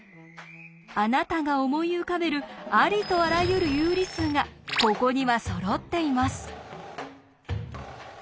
あなたが思い浮かべるありとあらゆる有理数がここにはそろっています。